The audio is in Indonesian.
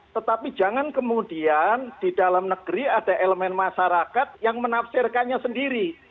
tetapi jangan kemudian di dalam negeri ada elemen masyarakat yang menafsirkannya sendiri